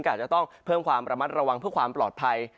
ก็อาจจะต้องเพิ่มความระมัดระวังเพื่อความปลอดภัย